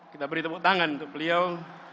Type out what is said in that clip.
kita beri tepuk tangan untuk beliau